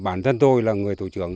bản thân tôi là người thủ trưởng